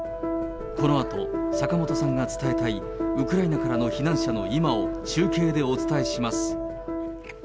このあと、坂本さんが伝えたい、ウクライナからの避難者の今を中継でお伝えします。